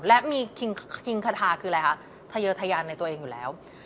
และมีคิงคาทาคืออะไรคะทะเยอร์ทะยานในตัวเองอยู่แล้ว